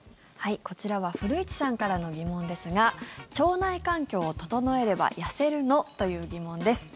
こちらは古市さんからの疑問ですが腸内環境を整えれば痩せるの？という疑問です。